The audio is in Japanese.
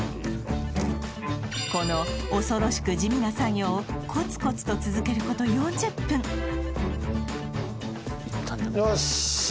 この恐ろしく地味な作業をコツコツと続けること４０分よっしゃ！